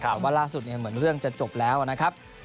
แต่ว่าล่าสุดเหมือนเรื่องจะจบแล้วนะครับ